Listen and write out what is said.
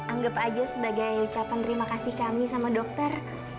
anggap aja sebagai ucapan terima kasih kami sama dokter